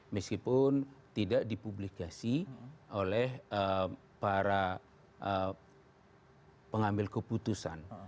meskipun tidak dipublikasi oleh para pengambil keputusan